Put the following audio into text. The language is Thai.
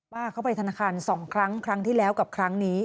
เข้าไปธนาคาร๒ครั้งครั้งที่แล้วกับครั้งนี้